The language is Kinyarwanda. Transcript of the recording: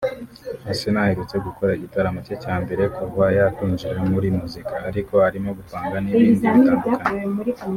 Asinah aherutse gukora igitaramo cye cya mbere kuva yakwinjira muri muzika ariko arimo gupanga n'ibindi bitandukanye